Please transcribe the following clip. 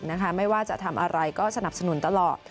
มาตั้งแต่เด็กนะคะไม่ว่าจะทำอะไรก็สนับสนุนตลอด